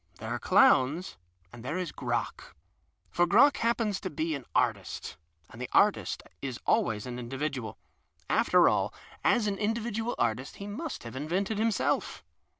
There are clowns and there is Crock. For Crock happens to be an 7;j PASTICHE AND PREJUDICE artist, and the artist is always an individual. After all, as an individual artist, he must have invented himself.